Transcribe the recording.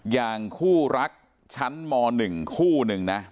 อย่างคู่รักชั้นม๑คู่หนึ่งนะ